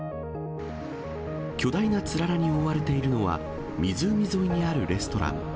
巨大なつららに覆われているのは、湖沿いにあるレストラン。